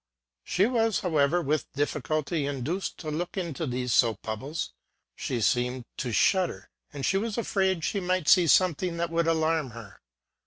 She was^ how ever, with difficulty induced to look into these soap bubbles : she seemed to shudder, and she was afraid she might see something that would alarm her.